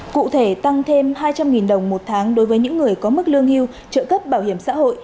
cụ thể tăng thêm hai trăm linh đồng một tháng đối với những người có mức lương hưu trợ cấp bảo hiểm xã hội